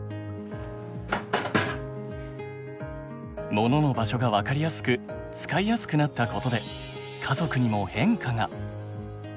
モノの場所が分かりやすく使いやすくなったことで家族にも変化が。